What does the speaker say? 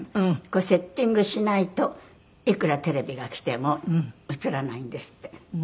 これセッティングしないといくらテレビが来ても映らないんですって。